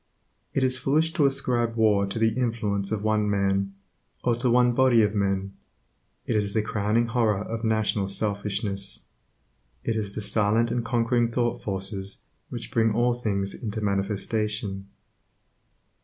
It is foolish to ascribe war to the influence of one man, or to one body of men. It is the crowning horror of national selfishness. It is the silent and conquering thought forces which bring all things into manifestation.